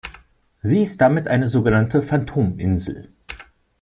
Sie ist damit eine sogenannte Phantominsel.